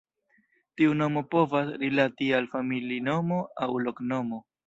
Tiu nomo povas rilati al familinomo aŭ loknomo.